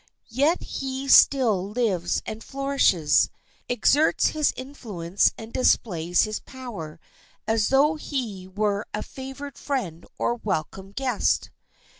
Yet he still lives and flourishes, exerts his influence and displays his power, as though he were a favored friend or a welcome guest.